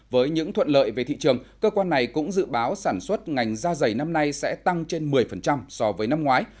với những thuận lợi về thị trường cơ quan này cũng dự báo sản xuất ngành da giày năm nay sẽ tăng trên một mươi so với năm ngoái